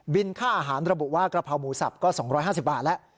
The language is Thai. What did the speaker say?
ค่าอาหารระบุว่ากระเพราหมูสับก็๒๕๐บาทแล้ว